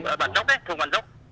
chỗ bản dốc đấy thùng bản dốc